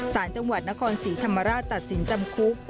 สารจังหวัดนครศรีธรรมราชตัดสินจำคุก